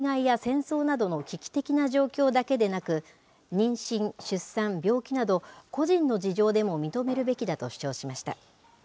この中で自民党は、災害や戦争などの危機的な状況だけでなく、妊娠、出産、病気など、個人の事情でも認めるべきだと主張しました。